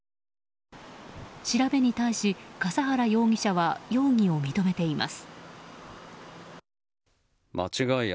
調べに対し、笠原容疑者は容疑を認めています。